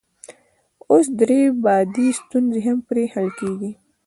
اوس درې بعدي ستونزې هم پرې حل کیږي.